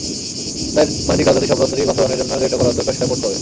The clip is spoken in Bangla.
তাই বাণিজ্যিক রাজধানী শব্দটি বাস্তবায়নের জন্য যেটা করার দরকার, সেটা করতে হবে।